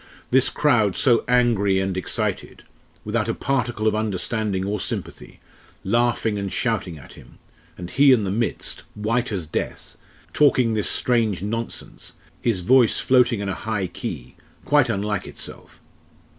"This crowd so angry and excited without a particle of understanding or sympathy laughing, and shouting at him and he in the midst white as death talking this strange nonsense his voice floating in a high key, quite unlike itself.